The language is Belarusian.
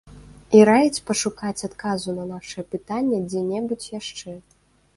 І раіць пашукаць адказу на нашае пытанне дзе-небудзь яшчэ.